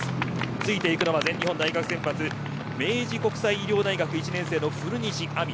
ついていくのは全日本大学選抜明治国際医療大学の古西亜海。